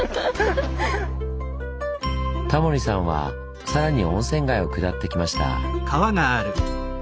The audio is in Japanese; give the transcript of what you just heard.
タモリさんはさらに温泉街を下ってきました。